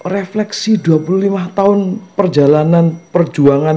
refleksi dua puluh lima tahun perjalanan perjuangan